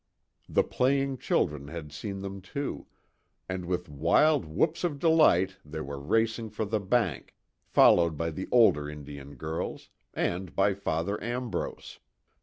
The playing children had seen them too, and with wild whoops of delight they were racing for the bank, followed by the older Indian girls, and by Father Ambrose.